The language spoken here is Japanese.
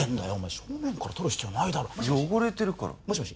正面から撮る必要ないだろ汚れてるからもしもし